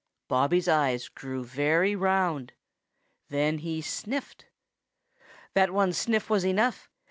Bobby's eyes grew very round. Then he sniffed. That one sniff was enough.